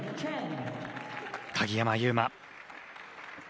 鍵山優真。